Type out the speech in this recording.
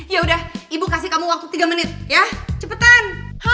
ya udah ibu kasih kamu waktu tiga menit ya cepetan